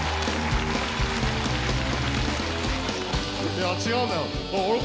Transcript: いや違うんだよ。